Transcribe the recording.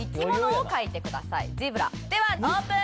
ではオープン！